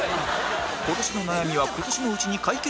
今年の悩みは今年のうちに解決